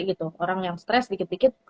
gitu orang yang stres dikit dikit